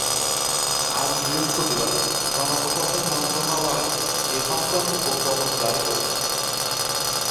আজ বৃহস্পতিবার জনপ্রশাসন মন্ত্রণালয় এ-সংক্রান্ত প্রজ্ঞাপন জারি করেছে।